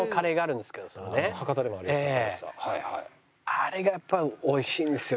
あれがやっぱり美味しいんですよ